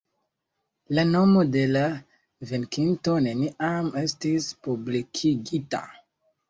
La nomo de la venkinto neniam estis publikigita.